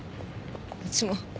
うちも。